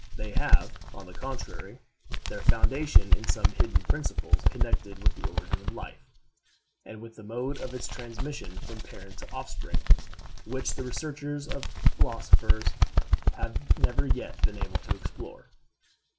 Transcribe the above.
They have, on the contrary, their foundation in some hidden principles connected with the origin of life, and with the mode of its transmission from parent to offspring, which the researches of philosophers have never yet been able to explore.